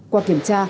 qua kiểm tra